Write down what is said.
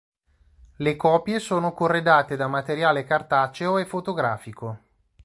Le copie sono corredate da materiale cartaceo e fotografico.